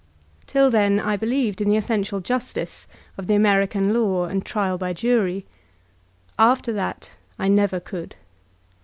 Till then I believed in the essential justice of the American law and trial by jury. After that I never could.